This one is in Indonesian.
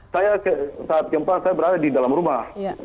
saya saat gempa saya berada di dalam rumah